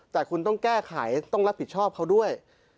แต่คุณต้องแก้ไขต้องรับผิดชอบเขาด้วย